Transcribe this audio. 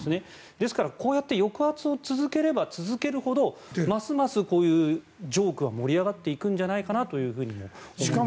ですから、こうやって抑圧を続ければ続けるほどますますこういうジョークは盛り上がっていくんじゃないかなとも思いますよね。